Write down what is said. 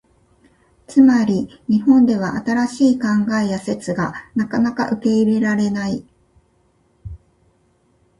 つまり、日本では新しい考えや説がなかなか受け入れられない。